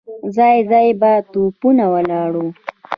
ځای ځای به توپونه ولاړ وو.